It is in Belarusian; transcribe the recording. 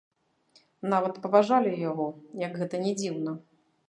Нават паважалі яго, як гэта ні дзіўна.